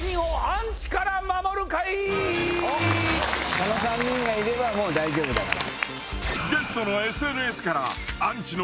この３人がいればもう大丈夫だから。